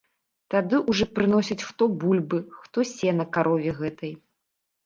Тады ўжо прыносяць хто бульбы, хто сена карове гэтай.